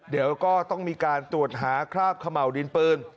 เดี๋ยวก็ต้องมีการตรวจหาคราบเขม่าวดินปืน